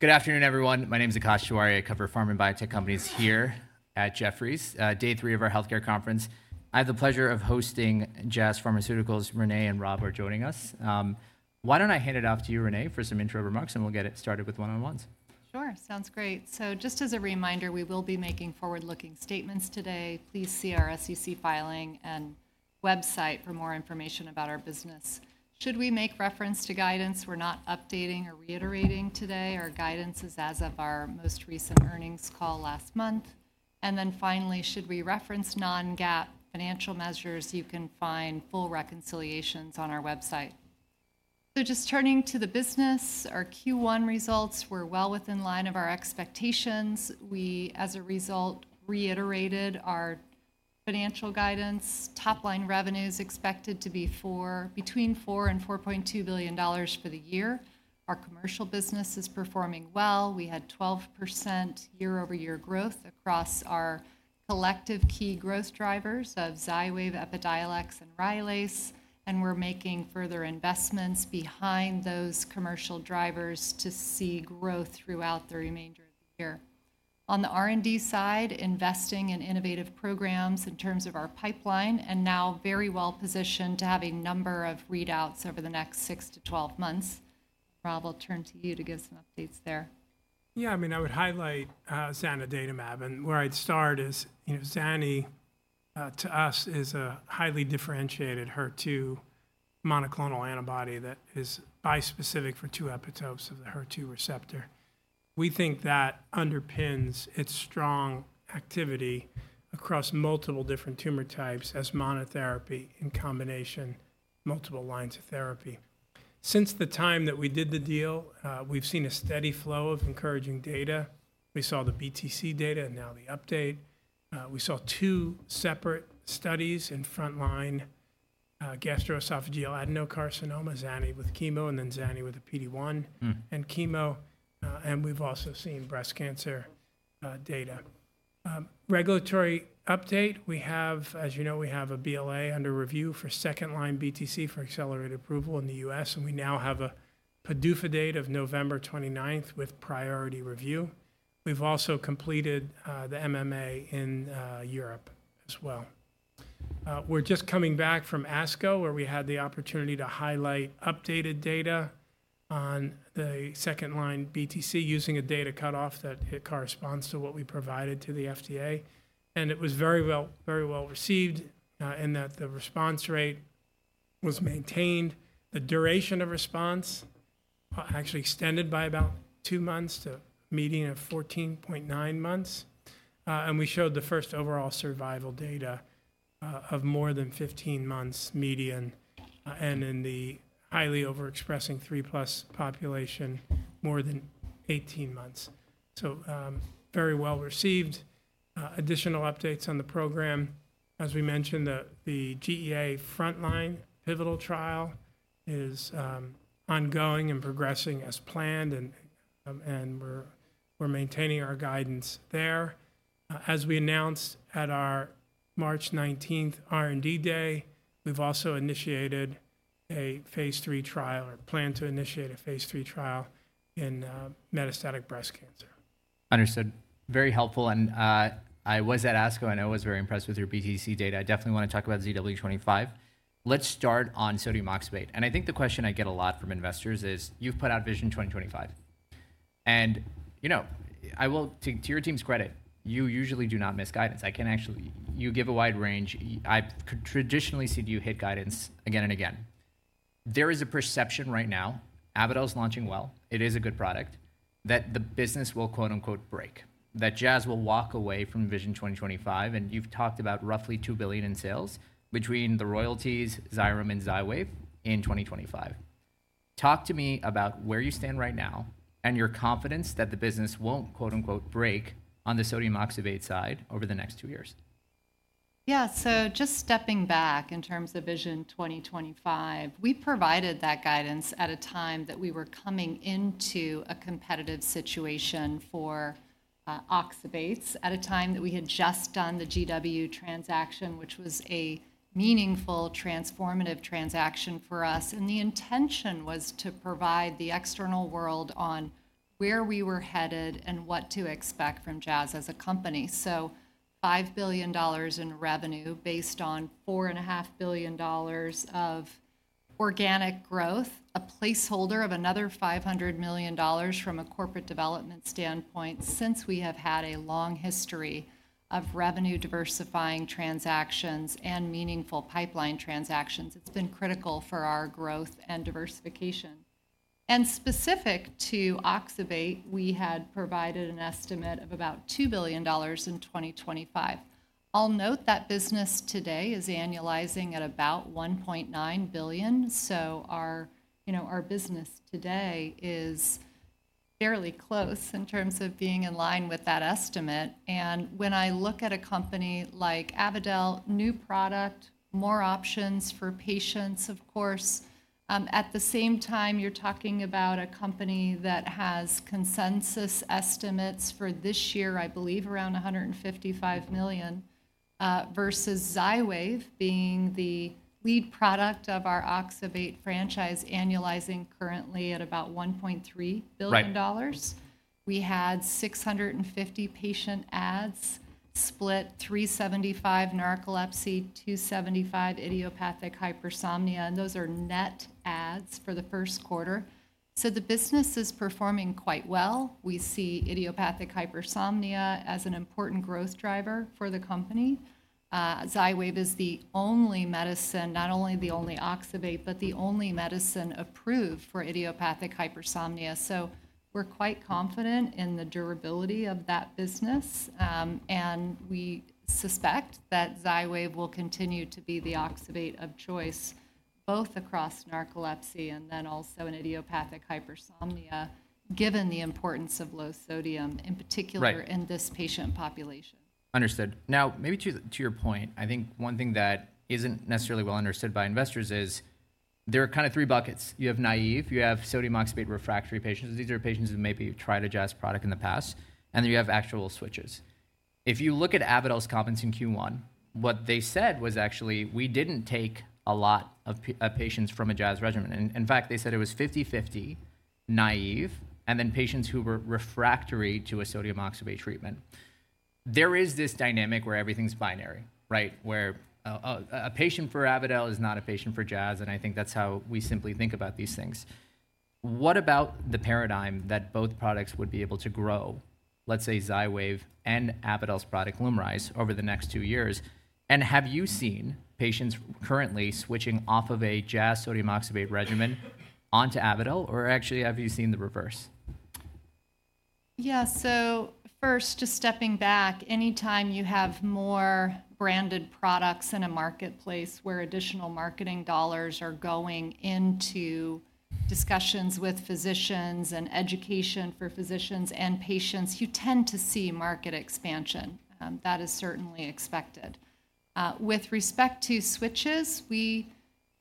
Good afternoon, everyone. My name is Akash Tewari. I cover pharma and biotech companies here at Jefferies. Day three of our Healthcare Conference. I have the pleasure of hosting Jazz Pharmaceuticals. Renee and Rob are joining us. Why don't I hand it off to you, Renee, for some intro remarks, and we'll get it started with one-on-ones. Sure. Sounds great. So just as a reminder, we will be making forward-looking statements today. Please see our SEC filing and website for more information about our business. Should we make reference to guidance, we're not updating or reiterating today. Our guidance is as of our most recent earnings call last month. And then finally, should we reference non-GAAP financial measures, you can find full reconciliations on our website. So just turning to the business, our Q1 results were well in line with our expectations. We, as a result, reiterated our financial guidance. Top-line revenues expected to be between $4 billion and $4.2 billion for the year. Our commercial business is performing well. We had 12% year-over-year growth across our collective key growth drivers of XYWAV, Epidiolex, and RYLAZE, and we're making further investments behind those commercial drivers to see growth throughout the remainder of the year. On the R&D side, investing in innovative programs in terms of our pipeline, and now very well positioned to have a number of readouts over the next 6-12 months. Rob, I'll turn to you to give some updates there. Yeah, I mean, I would highlight zanidatamab. And where I'd start is zani, to us, is a highly differentiated HER2 monoclonal antibody that is bispecific for two epitopes of the HER2 receptor. We think that underpins its strong activity across multiple different tumor types as monotherapy in combination, multiple lines of therapy. Since the time that we did the deal, we've seen a steady flow of encouraging data. We saw the BTC data and now the update. We saw two separate studies in front-line gastroesophageal adenocarcinoma, zani with chemo and then zani with a PD-1 and chemo. And we've also seen breast cancer data. Regulatory update, as you know, we have a BLA under review for second-line BTC for accelerated approval in the U.S., and we now have a PDUFA date of November 29th with priority review. We've also completed the MAA in Europe as well. We're just coming back from ASCO, where we had the opportunity to highlight updated data on the second-line BTC using a data cutoff that corresponds to what we provided to the FDA. It was very well received in that the response rate was maintained. The duration of response actually extended by about two months to a median of 14.9 months. We showed the first overall survival data of more than 15 months median, and in the highly overexpressing 3+ population, more than 18 months. So very well received. Additional updates on the program, as we mentioned, the GEA front-line pivotal trial is ongoing and progressing as planned, and we're maintaining our guidance there. As we announced at our March 19th R&D Day, we've also initiated a phase III trial or plan to initiate a phase III trial in metastatic breast cancer. Understood. Very helpful. And I was at ASCO, and I was very impressed with your BTC data. I definitely want to talk about ZW25. Let's start on sodium oxybate. And I think the question I get a lot from investors is, you've put out Vision 2025. And I will, to your team's credit, you usually do not miss guidance. You give a wide range. I've traditionally seen you hit guidance again and again. There is a perception right now, Avadel is launching well, it is a good product, that the business will "break," that Jazz will walk away from Vision 2025. And you've talked about roughly $2 billion in sales between the royalties, XYREM, and XYWAV in 2025. Talk to me about where you stand right now and your confidence that the business won't "break" on the sodium oxybate side over the next two years. Yeah, so just stepping back in terms of Vision 2025, we provided that guidance at a time that we were coming into a competitive situation for oxybates, at a time that we had just done the GW transaction, which was a meaningful, transformative transaction for us. And the intention was to provide the external world on where we were headed and what to expect from Jazz as a company. So $5 billion in revenue based on $4.5 billion of organic growth, a placeholder of another $500 million from a corporate development standpoint since we have had a long history of revenue diversifying transactions and meaningful pipeline transactions. It's been critical for our growth and diversification. And specific to oxybate, we had provided an estimate of about $2 billion in 2025. I'll note that business today is annualizing at about $1.9 billion. So our business today is fairly close in terms of being in line with that estimate. When I look at a company like Avadel, new product, more options for patients, of course. At the same time, you're talking about a company that has consensus estimates for this year, I believe, around $155 million, versus XYWAV being the lead product of our oxybate franchise annualizing currently at about $1.3 billion. We had 650 patient adds split 375 narcolepsy, 275 idiopathic hypersomnia. Those are net adds for the first quarter. So the business is performing quite well. We see idiopathic hypersomnia as an important growth driver for the company. XYWAV is the only medicine, not only the only oxybate, but the only medicine approved for idiopathic hypersomnia. So we're quite confident in the durability of that business. We suspect that XYWAV will continue to be the oxybate of choice, both across narcolepsy and then also in idiopathic hypersomnia, given the importance of low sodium, in particular in this patient population. Understood. Now, maybe to your point, I think one thing that isn't necessarily well understood by investors is there are kind of three buckets. You have naive. You have sodium oxybate refractory patients. These are patients who maybe tried a Jazz product in the past. And then you have actual switches. If you look at Avadel's competing Q1, what they said was actually, we didn't take a lot of patients from a Jazz regimen. In fact, they said it was 50/50 naive and then patients who were refractory to a sodium oxybate treatment. There is this dynamic where everything's binary, right? Where a patient for Avadel is not a patient for Jazz, and I think that's how we simply think about these things. What about the paradigm that both products would be able to grow, let's say XYWAV and Avadel's product, LUMRYZ, over the next two years? Have you seen patients currently switching off of a Jazz sodium oxybate regimen onto Avadel? Or actually, have you seen the reverse? Yeah, so first, just stepping back, anytime you have more branded products in a marketplace where additional marketing dollars are going into discussions with physicians and education for physicians and patients, you tend to see market expansion. That is certainly expected. With respect to switches,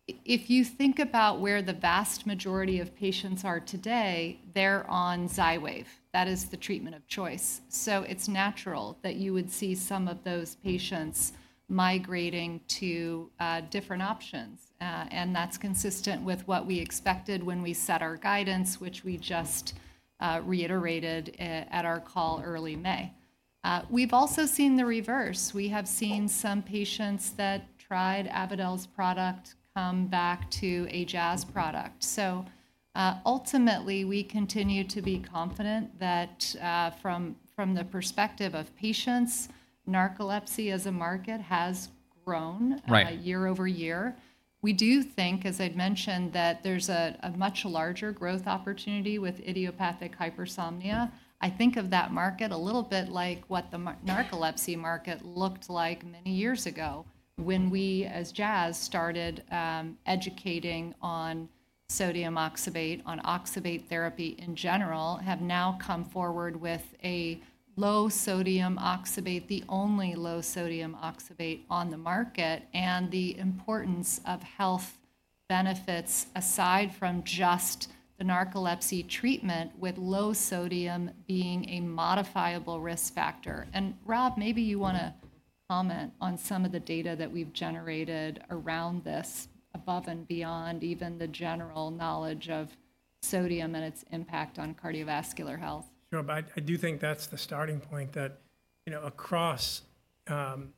if you think about where the vast majority of patients are today, they're on XYWAV. That is the treatment of choice. So it's natural that you would see some of those patients migrating to different options. And that's consistent with what we expected when we set our guidance, which we just reiterated at our call early May. We've also seen the reverse. We have seen some patients that tried Avadel's product come back to a Jazz product. So ultimately, we continue to be confident that from the perspective of patients, narcolepsy as a market has grown year-over-year. We do think, as I'd mentioned, that there's a much larger growth opportunity with idiopathic hypersomnia. I think of that market a little bit like what the narcolepsy market looked like many years ago when we, as Jazz, started educating on sodium oxybate, on oxybate therapy in general, have now come forward with a low sodium oxybate, the only low sodium oxybate on the market, and the importance of health benefits aside from just the narcolepsy treatment, with low sodium being a modifiable risk factor. And Rob, maybe you want to comment on some of the data that we've generated around this, above and beyond even the general knowledge of sodium and its impact on cardiovascular health. Sure. But I do think that's the starting point that across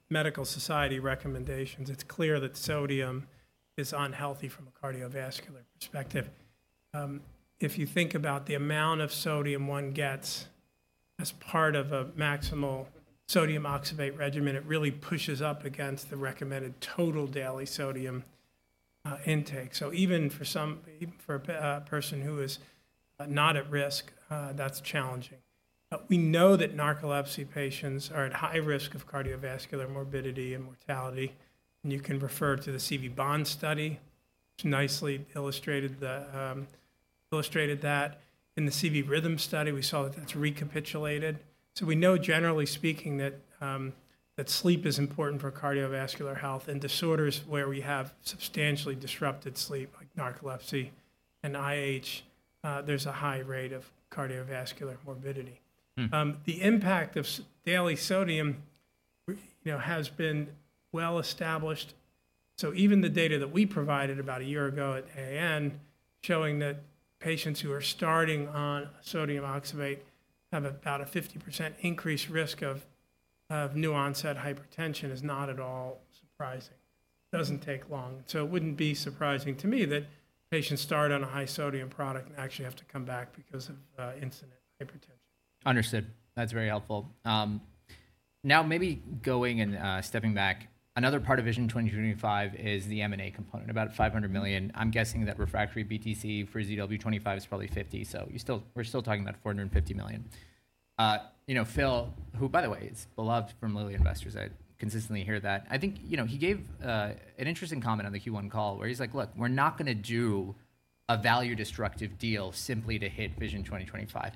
medical society recommendations, it's clear that sodium is unhealthy from a cardiovascular perspective. If you think about the amount of sodium one gets as part of a maximal sodium oxybate regimen, it really pushes up against the recommended total daily sodium intake. So even for a person who is not at risk, that's challenging. We know that narcolepsy patients are at high risk of cardiovascular morbidity and mortality. And you can refer to the CV-BOND study. Nicely illustrated that. In the CV-RHYTHM study, we saw that that's recapitulated. So we know, generally speaking, that sleep is important for cardiovascular health. In disorders where we have substantially disrupted sleep, like narcolepsy and IH, there's a high rate of cardiovascular morbidity. The impact of daily sodium has been well established. So even the data that we provided about a year ago at AAN showing that patients who are starting on sodium oxybate have about a 50% increased risk of new-onset hypertension is not at all surprising. It doesn't take long. So it wouldn't be surprising to me that patients start on a high-sodium product and actually have to come back because of incident hypertension. Understood. That's very helpful. Now, maybe going and stepping back, another part of Vision 2025 is the M&A component, about $500 million. I'm guessing that refractory BTC for ZW25 is probably $50 million. So we're still talking about $450 million. Phil, who, by the way, is beloved from Lilly Investors, I consistently hear that. I think he gave an interesting comment on the Q1 call where he's like, "Look, we're not going to do a value-destructive deal simply to hit Vision 2025."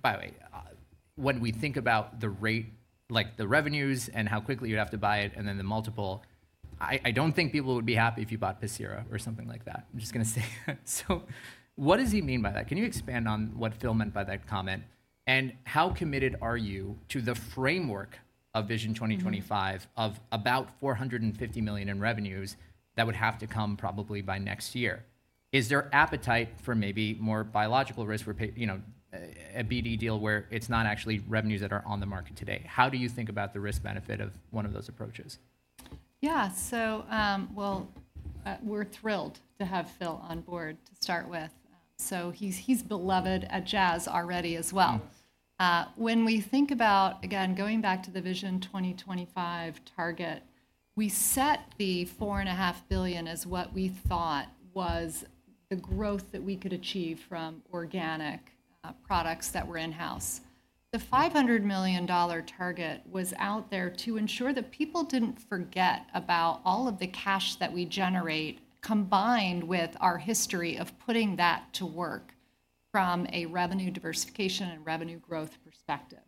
By the way, when we think about the revenues and how quickly you'd have to buy it and then the multiple, I don't think people would be happy if you bought Pacira or something like that. I'm just going to say. So what does he mean by that? Can you expand on what Phil meant by that comment? How committed are you to the framework of Vision 2025 of about $450 million in revenues that would have to come probably by next year? Is there appetite for maybe more biological risk, a BD deal where it's not actually revenues that are on the market today? How do you think about the risk-benefit of one of those approaches? Yeah, so we're thrilled to have Phil on board to start with. So he's beloved at Jazz already as well. When we think about, again, going back to the Vision 2025 target, we set the $4.5 billion as what we thought was the growth that we could achieve from organic products that were in-house. The $500 million target was out there to ensure that people didn't forget about all of the cash that we generate combined with our history of putting that to work from a revenue diversification and revenue growth perspective.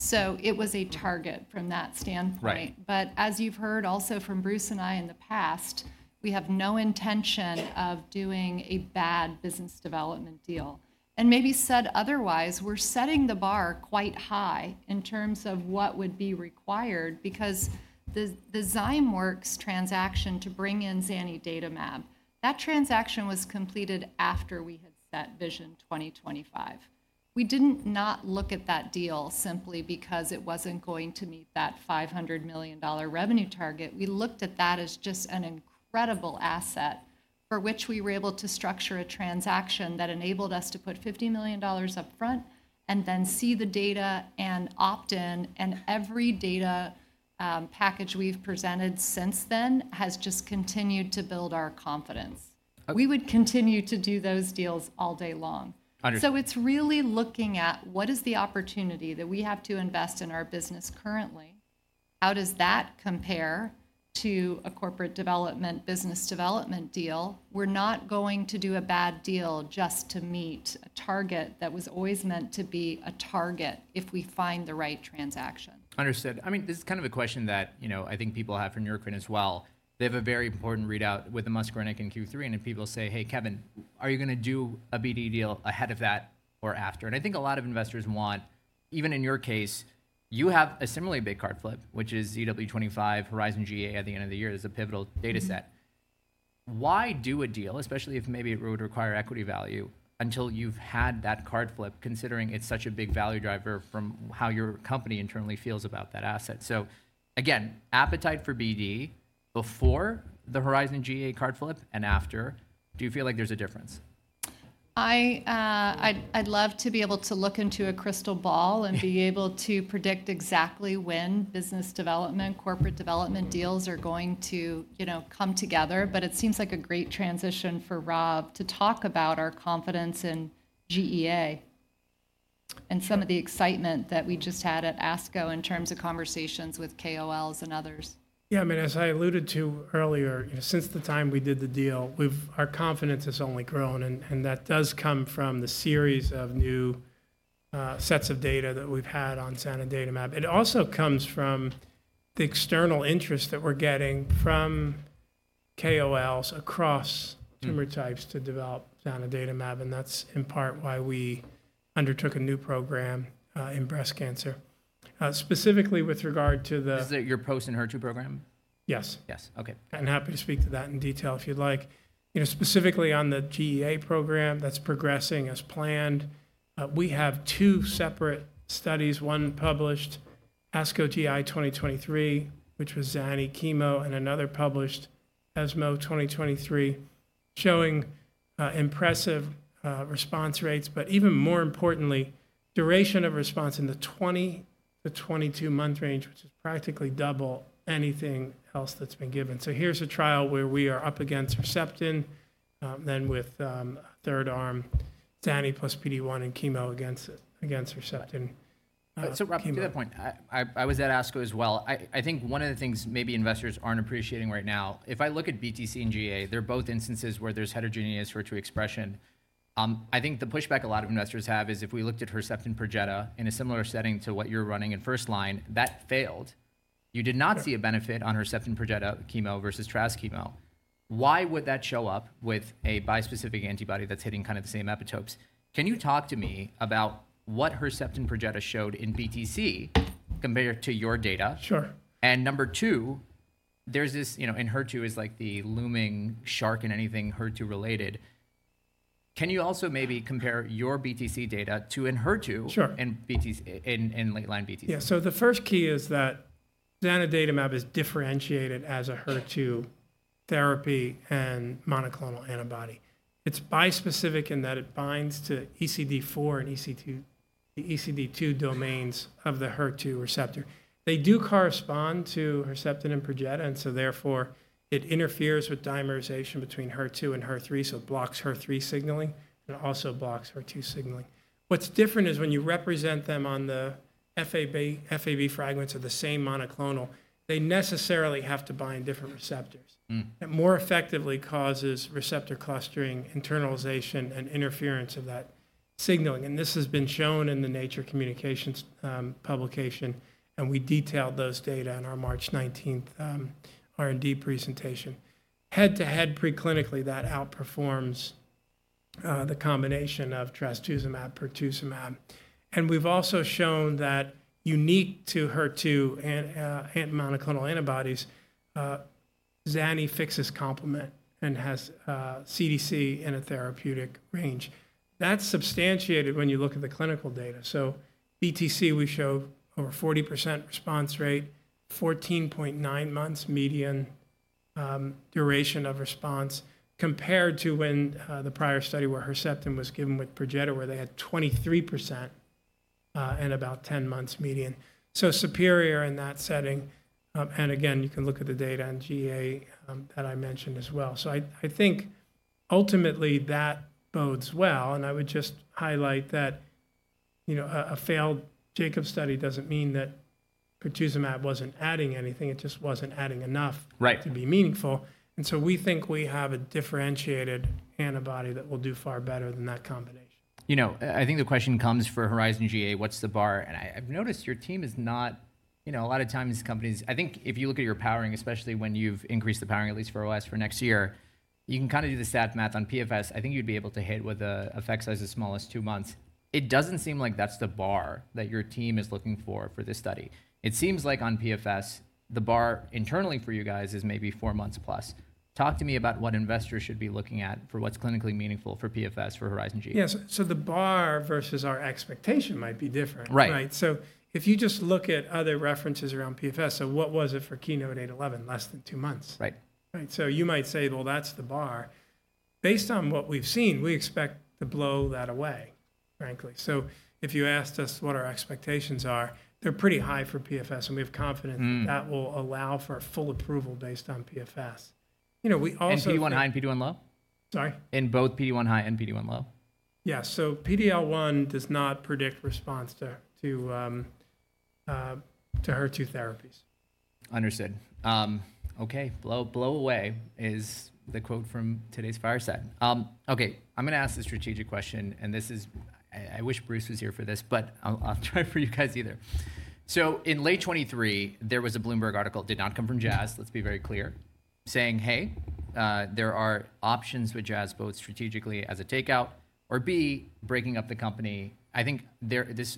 So it was a target from that standpoint. But as you've heard also from Bruce and I in the past, we have no intention of doing a bad business development deal. Maybe said otherwise, we're setting the bar quite high in terms of what would be required because the Zymeworks transaction to bring in zanidatamab, that transaction was completed after we had set Vision 2025. We did not look at that deal simply because it wasn't going to meet that $500 million revenue target. We looked at that as just an incredible asset for which we were able to structure a transaction that enabled us to put $50 million upfront and then see the data and opt in. Every data package we've presented since then has just continued to build our confidence. We would continue to do those deals all day long. It's really looking at what is the opportunity that we have to invest in our business currently? How does that compare to a corporate development business development deal? We're not going to do a bad deal just to meet a target that was always meant to be a target if we find the right transaction. Understood. I mean, this is kind of a question that I think people have from Neurocrine as well. They have a very important readout with the myasthenia gravis in Q3. And if people say, "Hey, Kevin, are you going to do a BD deal ahead of that or after?" And I think a lot of investors want, even in your case, you have a similarly big card flip, which is ZW25, HERIZON-GEA at the end of the year as a pivotal data set. Why do a deal, especially if maybe it would require equity value, until you've had that card flip, considering it's such a big value driver from how your company internally feels about that asset? So again, appetite for BD before the HERIZON-GEA card flip and after, do you feel like there's a difference? I'd love to be able to look into a crystal ball and be able to predict exactly when business development, corporate development deals are going to come together. But it seems like a great transition for Rob to talk about our confidence in GEA and some of the excitement that we just had at ASCO in terms of conversations with KOLs and others. Yeah, I mean, as I alluded to earlier, since the time we did the deal, our confidence has only grown. And that does come from the series of new sets of data that we've had on zanidatamab. It also comes from the external interest that we're getting from KOLs across tumor types to develop zanidatamab. And that's in part why we undertook a new program in breast cancer, specifically with regard to the. Is that your post-Enhertu program? Yes. Yes. Okay. I'm happy to speak to that in detail if you'd like. Specifically on the GEA program that's progressing as planned, we have two separate studies, one published ASCO GI 2023, which was zani chemo, and another published ESMO 2023, showing impressive response rates, but even more importantly, duration of response in the 20-22 month range, which is practically double anything else that's been given. So here's a trial where we are up against Herceptin, then with third arm, zani plus PD-1 and chemo against Herceptin. So Rob, to that point, I was at ASCO as well. I think one of the things maybe investors aren't appreciating right now, if I look at BTC and GEA, they're both instances where there's heterogeneous HER2 expression. I think the pushback a lot of investors have is if we looked at Herceptin PERJETA in a similar setting to what you're running in first line, that failed. You did not see a benefit on Herceptin PERJETA chemo versus tras chemo. Why would that show up with a bispecific antibody that's hitting kind of the same epitopes? Can you talk to me about what Herceptin PERJETA showed in BTC compared to your data? Sure. Number two, there's this ENHERTU is like the looming shark in anything HER2 related. Can you also maybe compare your BTC data to ENHERTU and ENHERTU in late-line BTC? Yeah, so the first key is that zanidatamab is differentiated as a HER2 therapy and monoclonal antibody. It's bispecific in that it binds to ECD4 and ECD2 domains of the HER2 receptor. They do correspond to Herceptin and PERJETA, and so therefore it interferes with dimerization between HER2 and HER3, so it blocks HER3 signaling and also blocks HER2 signaling. What's different is when you represent them on the Fab fragments of the same monoclonal, they necessarily have to bind different receptors. That more effectively causes receptor clustering, internalization, and interference of that signaling. And this has been shown in the Nature Communications publication, and we detailed those data in our March 19th R&D presentation. Head-to-head preclinically, that outperforms the combination of trastuzumab, pertuzumab. And we've also shown that unique to HER2 and monoclonal antibodies, zani fixes complement and has CDC in a therapeutic range. That's substantiated when you look at the clinical data. So BTC, we show over 40% response rate, 14.9 months median duration of response compared to when the prior study where Herceptin was given with PERJETA, where they had 23% and about 10 months median. So superior in that setting. And again, you can look at the data in GA that I mentioned as well. So I think ultimately that bodes well. And I would just highlight that a failed JACOB study doesn't mean that pertuzumab wasn't adding anything. It just wasn't adding enough to be meaningful. And so we think we have a differentiated antibody that will do far better than that combination. You know, I think the question comes for HERIZON-GEA, what's the bar? And I've noticed your team is not, you know, a lot of times companies, I think if you look at your powering, especially when you've increased the powering, at least for OS for next year, you can kind of do the stat math on PFS. I think you'd be able to hit with effect size as small as two months. It doesn't seem like that's the bar that your team is looking for for this study. It seems like on PFS, the bar internally for you guys is maybe four months plus. Talk to me about what investors should be looking at for what's clinically meaningful for PFS for HERIZON-GEA. Yeah, so the bar versus our expectation might be different. Right. So if you just look at other references around PFS, so what was it for KEYNOTE-811, less than two months? Right. You might say, well, that's the bar. Based on what we've seen, we expect to blow that away, frankly. If you asked us what our expectations are, they're pretty high for PFS, and we have confidence that will allow for full approval based on PFS. PD1 high and PD1 low? Sorry? In both PD-1 high and PD-1 low? Yeah, so PD-L1 does not predict response to HER2 therapies. Understood. Okay, below is the quote from today's fireside. Okay, I'm going to ask a strategic question, and this is, I wish Bruce was here for this, but I'll try for you guys either. So in late 2023, there was a Bloomberg article, did not come from Jazz, let's be very clear, saying, hey, there are options with Jazz both strategically as a takeout or B, breaking up the company. I think this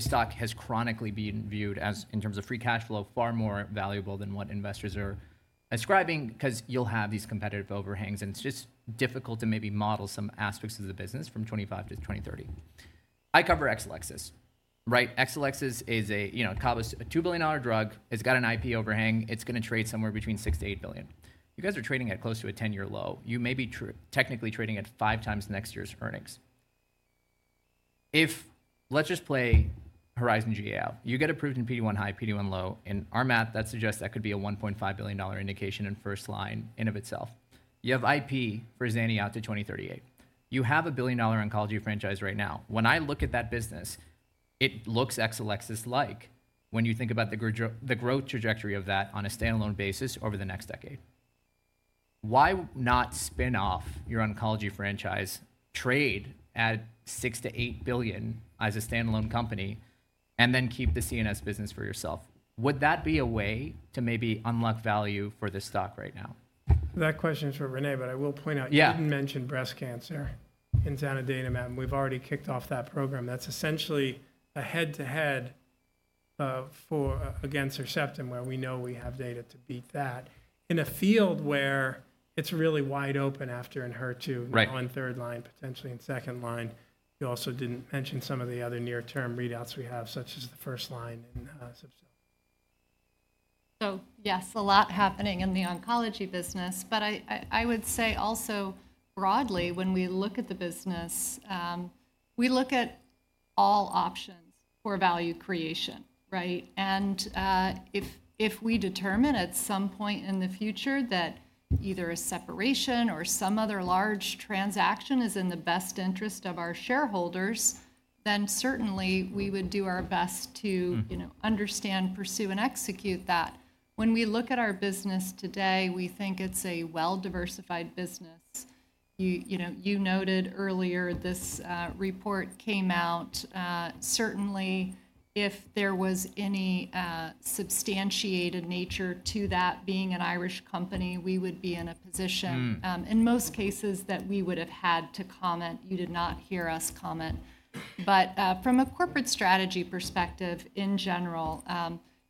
stock has chronically been viewed as, in terms of free cash flow, far more valuable than what investors are ascribing because you'll have these competitive overhangs, and it's just difficult to maybe model some aspects of the business from 2025 to 2023. I cover Exelixis. Right? Exelixis is a, you know, a $2 billion-dollar drug. It's got an IP overhang. It's going to trade somewhere between $6 billion-$8 billion. You guys are trading at close to a 10-year low. You may be technically trading at five times next year's earnings. If, let's just play HERIZON-GEA out, you get approved in PD-1 high, PD-1 low. In our math, that suggests that could be a $1.5 billion indication in first line in and of itself. You have IP for zani out to 2038. You have a billion-dollar oncology franchise right now. When I look at that business, it looks Exelixis-like when you think about the growth trajectory of that on a standalone basis over the next decade. Why not spin off your oncology franchise, trade at $6 billion-$8 billion as a standalone company, and then keep the CNS business for yourself? Would that be a way to maybe unlock value for this stock right now? That question is for Renee, but I will point out, you didn't mention breast cancer in zanidatamab, and we've already kicked off that program. That's essentially a head-to-head against Herceptin where we know we have data to beat that in a field where it's really wide open after ENHERTU and third line, potentially in second line. You also didn't mention some of the other near-term readouts we have, such as the first line in. So yes, a lot happening in the oncology business, but I would say also broadly, when we look at the business, we look at all options for value creation, right? And if we determine at some point in the future that either a separation or some other large transaction is in the best interest of our shareholders, then certainly we would do our best to understand, pursue, and execute that. When we look at our business today, we think it's a well-diversified business. You noted earlier this report came out. Certainly, if there was any substantiated nature to that being an Irish company, we would be in a position in most cases that we would have had to comment. You did not hear us comment. But from a corporate strategy perspective in general,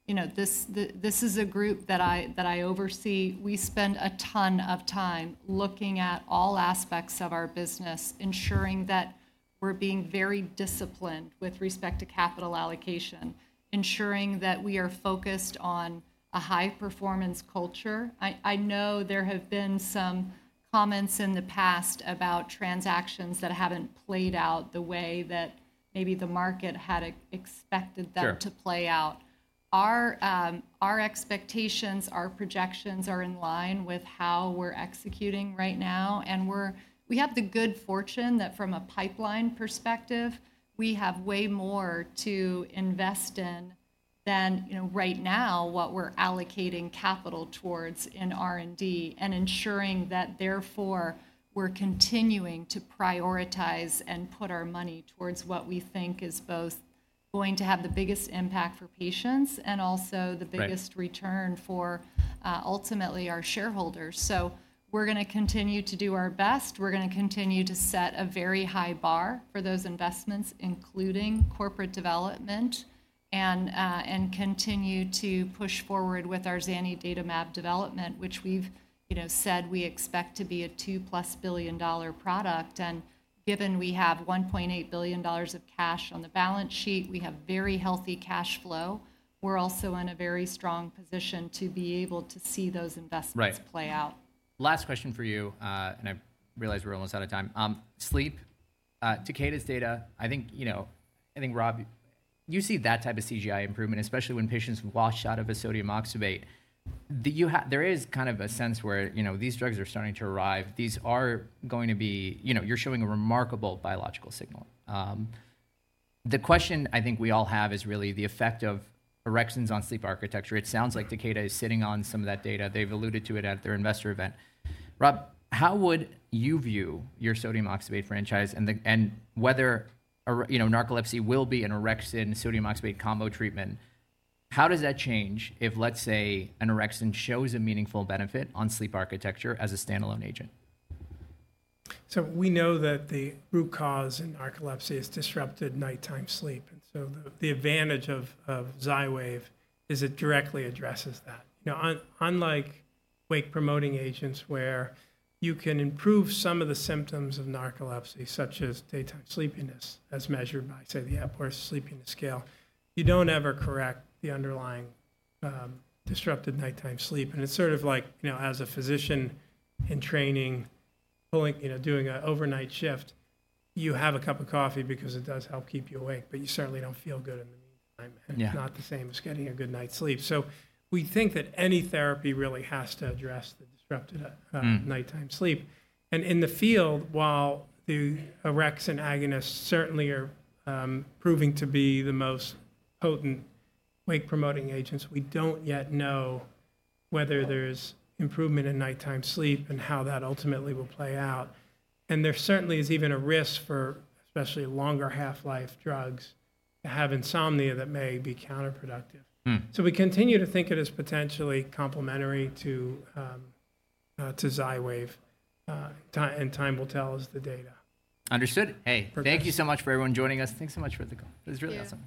this is a group that I oversee. We spend a ton of time looking at all aspects of our business, ensuring that we're being very disciplined with respect to capital allocation, ensuring that we are focused on a high-performance culture. I know there have been some comments in the past about transactions that haven't played out the way that maybe the market had expected them to play out. Our expectations, our projections are in line with how we're executing right now. We have the good fortune that from a pipeline perspective, we have way more to invest in than right now what we're allocating capital towards in R&D and ensuring that therefore we're continuing to prioritize and put our money towards what we think is both going to have the biggest impact for patients and also the biggest return for ultimately our shareholders. We're going to continue to do our best. We're going to continue to set a very high bar for those investments, including corporate development, and continue to push forward with our zanidatamab development, which we've said we expect to be a $2+ billion product. Given we have $1.8 billion of cash on the balance sheet, we have very healthy cash flow. We're also in a very strong position to be able to see those investments play out. Last question for you, and I realize we're almost out of time. Sleep, to Takeda's data, I think, you know, I think Rob, you see that type of CGI improvement, especially when patients wash out of a sodium oxybate. There is kind of a sense where these drugs are starting to arrive. These are going to be, you know, you're showing a remarkable biological signal. The question I think we all have is really the effect of orexins on sleep architecture. It sounds like Takeda is sitting on some of that data. They've alluded to it at their investor event. Rob, how would you view your sodium oxybate franchise and whether narcolepsy will be an orexin, sodium oxybate combo treatment? How does that change if, let's say, an orexin shows a meaningful benefit on sleep architecture as a standalone agent? So we know that the root cause in narcolepsy is disrupted nighttime sleep. And so the advantage of XYWAV is it directly addresses that. Unlike wake-promoting agents where you can improve some of the symptoms of narcolepsy, such as daytime sleepiness as measured by, say, the Epworth Sleepiness Scale, you don't ever correct the underlying disrupted nighttime sleep. And it's sort of like, as a physician in training, doing an overnight shift, you have a cup of coffee because it does help keep you awake, but you certainly don't feel good in the meantime. And it's not the same as getting a good night's sleep. So we think that any therapy really has to address the disrupted nighttime sleep. In the field, while the orexin agonists certainly are proving to be the most potent wake-promoting agents, we don't yet know whether there's improvement in nighttime sleep and how that ultimately will play out. There certainly is even a risk for especially longer half-life drugs to have insomnia that may be counterproductive. We continue to think it is potentially complementary to XYWAV, and time will tell as the data. Understood. Hey, thank you so much for everyone joining us. Thanks so much for the call. It was really awesome.